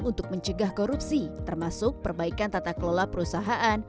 untuk mencegah korupsi termasuk perbaikan tata kelola perusahaan